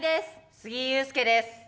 杉井勇介です。